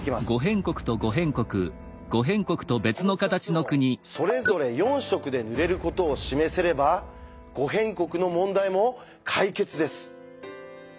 この２つをそれぞれ４色で塗れることを示せれば「五辺国」の問題も解決です。